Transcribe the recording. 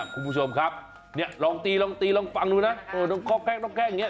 คุณผู้ชมครับลองตีลองปังดูนะคอกแค้กอย่างนี้